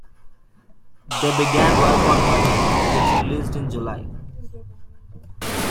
They began work on "Mother", which released in July.